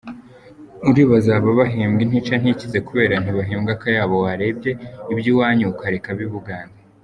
uribaza aba bahembwa intica ntikize kubera ntabahembwa akayabo!? Warebye iby’iwanyu ukareka ab’ibugande.